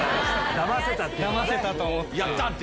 だませた！と思って。